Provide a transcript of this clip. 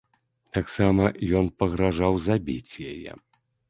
Таксама ён пагражаў забіць яе.